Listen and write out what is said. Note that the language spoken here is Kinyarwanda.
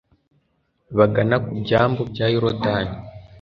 bagana ku byambu bya yorudani